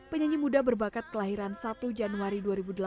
penyanyi muda berbakat kelahiran satu januari dua ribu delapan belas